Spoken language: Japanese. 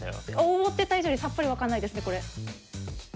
思ってた以上にさっぱり分かんないですねこれ。